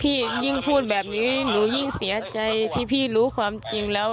ยิ่งพูดแบบนี้หนูยิ่งเสียใจที่พี่รู้ความจริงแล้ว